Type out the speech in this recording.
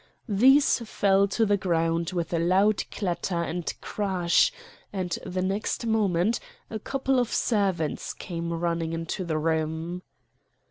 These fell to the ground with a loud clatter and crash, and the next moment a couple of servants came running into the room.